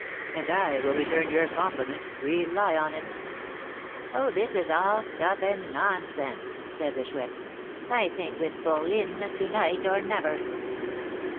"And I will return your compliment, rely on it." "Oh, this is all stuff and nonsense!" said the Chouette. "I think with fourline, to night or never."